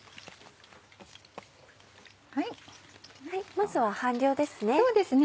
まずは半量ですね。